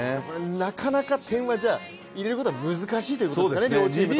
なかなか点は入れることは難しいってことですね、両チームとも。